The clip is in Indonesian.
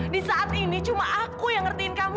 di saat ini cuma aku yang ngertiin kamu